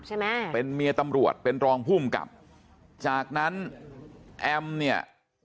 ใช่ไหมเป็นเมียตำรวจเป็นรองภูมิกับจากนั้นแอมเนี่ย